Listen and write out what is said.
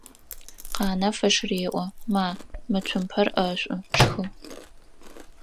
Къанэф ыш реӏо: «Ма, мы цумпэр ӏэшӏу, шхы!».